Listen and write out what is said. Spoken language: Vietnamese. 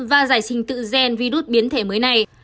và giải trình tự gen virus biến thể mới này